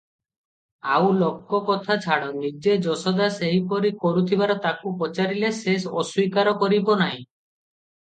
ଆଉ ଲୋକକଥା ଛାଡ଼, ନିଜେ ଯଶୋଦା ସେହିପରି କରୁଥିବାର ତାକୁ ପଚାରିଲେ ସେ ଅସ୍ୱୀକାର କରିବନାହିଁ ।